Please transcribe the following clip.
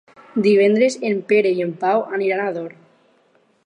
Divendres en Pere i en Pau aniran a Ador.